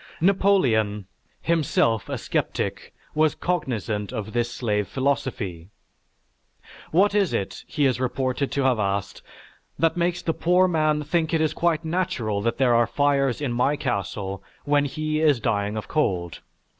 Napoleon, himself a sceptic, was cognizant of this slave philosophy. "What is it," he is reported to have asked, "that makes the poor man think it is quite natural that there are fires in my castle when he is dying of cold?